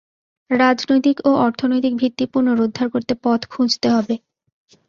রাজনৈতিক ও অর্থনৈতিক ভিত্তি পুনরুদ্ধার করতে পথ খুঁজতে হবে।